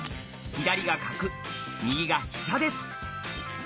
左が角右が飛車です。